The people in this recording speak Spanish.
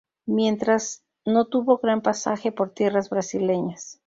Mientras, no tuvo gran pasaje por tierras brasileñas.